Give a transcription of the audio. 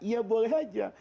iya boleh aja